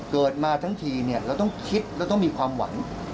เกิดมาทั้งทีเราต้องคิดเราต้องมีความหวัง